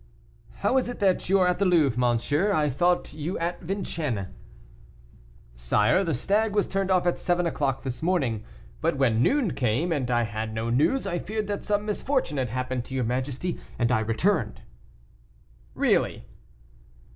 "How is it that you are at the Louvre, monsieur? I thought you at Vincennes." "Sire, the stag was turned off at seven o'clock this morning, but when noon came, and I had no news, I feared that some misfortune had happened to your majesty, and I returned." "Really!"